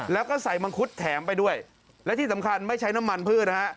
แล้วก็ใส่มังคุดแถมไปด้วยและที่สำคัญไม่ใช้น้ำมันพืชนะฮะ